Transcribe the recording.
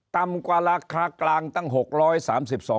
ต่ำกว่าราคากลางตั้ง๖๓๒บาท